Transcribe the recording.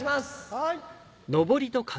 はい。